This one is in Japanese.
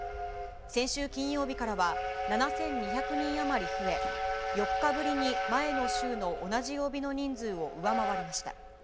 先週金曜日からは７２００人余り増え、４日ぶりに前の週の同じ曜日の人数を上回りました。